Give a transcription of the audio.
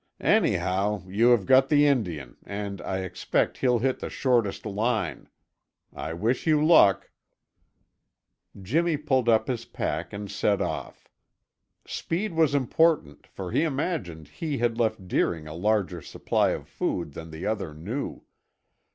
"Anyhow, you have got the Indian and I expect he'll hit the shortest line. I wish you luck." Jimmy pulled up his pack and set off. Speed was important, for he imagined he had left Deering a larger supply of food than the other knew.